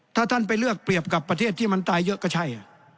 ถ้าท่านไปเลือกเปรียบกับประเทศที่มันตายเยอะก็ใช่